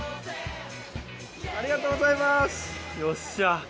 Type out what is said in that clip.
ありがとうございますよっしゃ。